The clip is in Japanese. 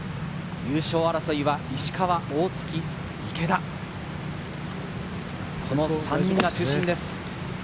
優勝争いは、石川、大槻、池田、その３人が中心です。